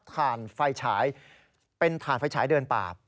ชาร์จทานไฟฉายด้านภายเป็นทานไฟฉายเดินป่าบ